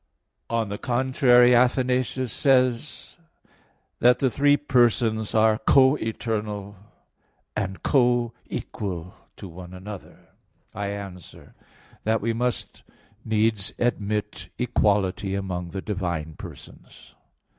On the contrary, Athanasius says that "the three persons are co eternal and co equal to one another." I answer that, We must needs admit equality among the divine persons.